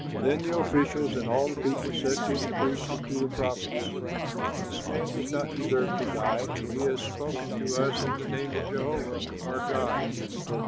Then the officials and all the people said to the priests and to the prophets, "This man does not deserve to die, for he has spoken to us in the name of Jehovah our God."